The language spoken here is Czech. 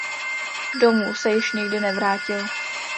Domů se již nikdy nevrátil.